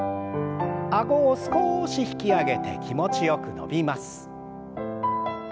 あごを少し引き上げて気持ちよく伸びます。